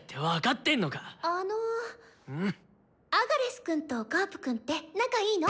アガレスくんとガープくんって仲いいの？